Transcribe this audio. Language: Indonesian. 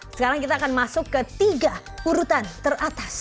sekarang kita akan masuk ke tiga urutan teratas